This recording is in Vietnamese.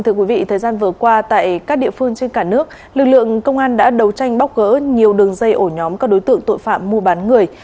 thưa quý vị thời gian vừa qua tại các địa phương trên cả nước lực lượng công an đã đấu tranh bóc gỡ nhiều đường dây ổ nhóm các đối tượng tội phạm mua bán người